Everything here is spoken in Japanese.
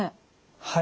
はい。